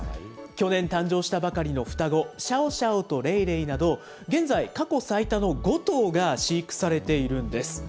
去年誕生したばかりの双子、シャオシャオとレイレイなど、現在、過去最多の５頭が飼育されているんです。